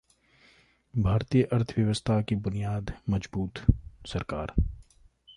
भारतीय अर्थव्यवस्था की बुनियाद मजबूत: सरकार